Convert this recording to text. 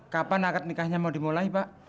kapan akad nikahnya mau dimulai pak